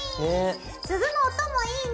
鈴の音もいいね。